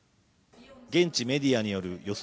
現地メディアによる予想